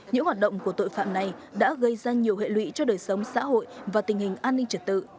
những hoạt động của tội phạm này đã gây ra nhiều hệ lụy cho đời sống xã hội và tình hình an ninh trật tự